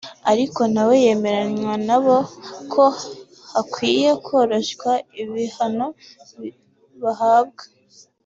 ariko nawe yemeranya n’abo ko hakwiye koroshywa ibihano bahabwa